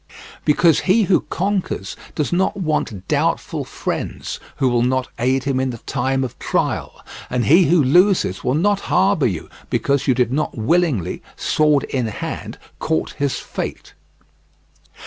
Because he who conquers does not want doubtful friends who will not aid him in the time of trial; and he who loses will not harbour you because you did not willingly, sword in hand, court his fate.